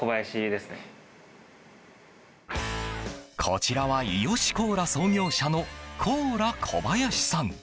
こちらは伊良コーラ創業者のコーラ小林さん。